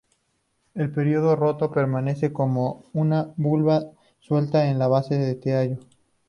El peridio roto permanece como una volva suelta en la base del tallo.